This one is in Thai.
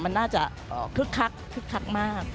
มันน่าจะคึกคักคึกคักมาก